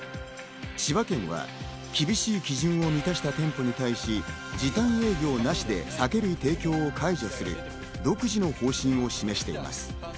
千葉県は厳しい基準を満たした店舗に対し、時短営業なしで酒類提供を解除する独自の方針を示しています。